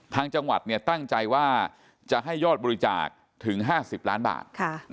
ทางจังหวัดตั้งใจว่าจะให้ยอดบริจาคถึง๕๐ล้านบาท